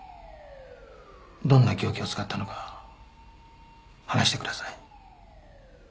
どんな凶器を使ったのか話してください。